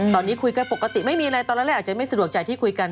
ตอนนี้คุยกันปกติไม่มีอะไรตอนแรกอาจจะไม่สะดวกใจที่คุยกัน